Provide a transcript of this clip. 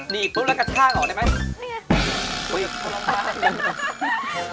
นีบแล้วกระชั่งออกได้ไหม